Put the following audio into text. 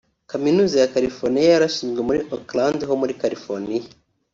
Kaminuza ya California yarashinzwe muri Oakland ho muri California